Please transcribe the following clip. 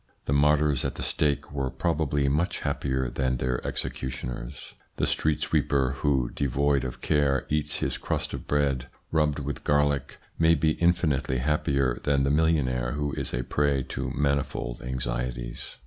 The martyrs at the stake were probably much happier than their executioners. The street sweeper who, devoid of care, eats his crust of bread rubbed with garlic may be infinitely happier than the millionaire who is a prey to manifold anxieties.